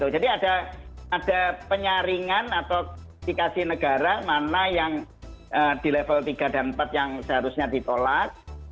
jadi ada penyaringan atau dikasih negara mana yang di level tiga dan empat yang seharusnya ditolak